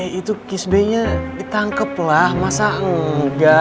eh itu kiss bay nya ditangkep lah masa engga